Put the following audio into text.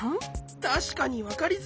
たしかにわかりづらい。